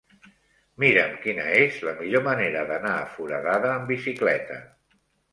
Mira'm quina és la millor manera d'anar a Foradada amb bicicleta.